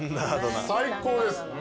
最高です。